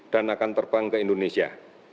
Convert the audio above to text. dan akan terbang ke indonesia